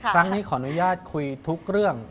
ครั้งนี้ขออนุญาตคุยทุกเรื่อง